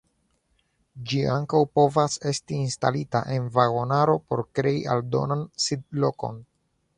Ĝi ankaŭ povas esti instalita en vagonaro por krei aldonan sidlokon.